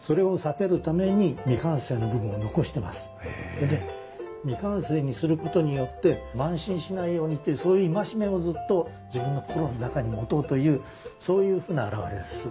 それで未完成にすることによって慢心しないようにっていうそういう戒めをずっと自分の心の中に持とうというそういうふうな表れです。